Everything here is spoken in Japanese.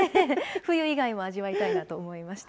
冬以外も味わいたいなと思いました。